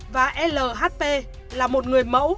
và lhp là một người mẫu